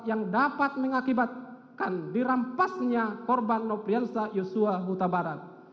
yang dapat mengakibatkan dirampasnya korban nopiansa yosua kutabarat